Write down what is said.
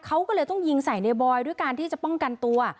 เขาก็เลยต้องยิงใส่ในบอยด้วยการที่จะป้องกันตัว